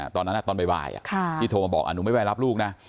ตอนนั้นน่ะตอนบ่ายอ่ะที่โทรมาบอกอ่ะหนูไม่ไปรับลูกนะ